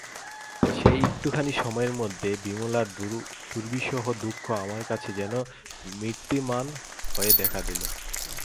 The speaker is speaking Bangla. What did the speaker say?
সেই একটুখানি সময়ের মধ্যেই বিমলার দুর্বিষহ দুঃখ আমার কাছে যেন মূর্তিমান হয়ে দেখা দিল।